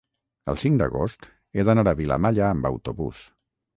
el cinc d'agost he d'anar a Vilamalla amb autobús.